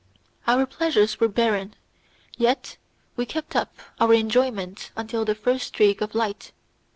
Our pleasures were barren, yet we kept up our enjoyment until the first streak of light.